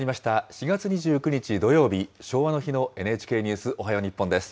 ４月２９日土曜日、昭和の日のＮＨＫニュースおはよう日本です。